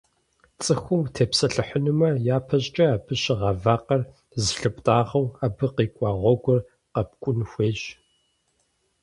Цӏыхум утепсэлъыхьынумэ, япэщӏыкӏэ абы щыгъа вакъэр зылъыптӏагъэу, абы къикӏуа гъуэгур къэпкӏун хуейщ.